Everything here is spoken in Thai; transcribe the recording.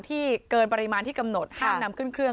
ที่เกินปริมาณที่กำหนดห้ามนำขึ้นเครื่อง